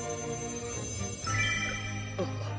あっ。